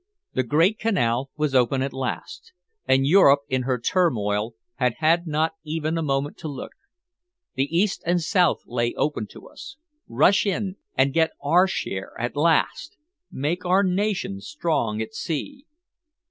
The great canal was open at last, and Europe in her turmoil had had not even a moment to look. The East and South lay open to us rush in and get our share at last! Make our nation strong at sea!